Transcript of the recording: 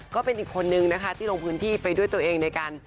ก็เป็นอีกคนนึงนะคะที่ลงพื้นที่ไปด้วยตัวเองในการ